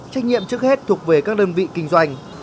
trách nhiệm trước hết thuộc về các đơn vị kinh doanh